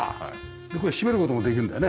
これ閉める事もできるんだよね？